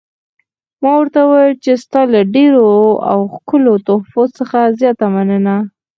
ما ورته وویل: ستا له ډېرو او ښکلو تحفو څخه زیاته مننه.